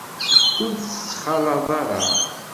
Ur tt-ttxalaḍeɣ ara.